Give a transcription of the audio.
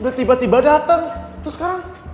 udah tiba tiba datang terus sekarang